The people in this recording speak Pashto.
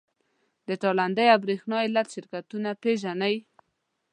د تالندې او برېښنا علت پیژنئ؟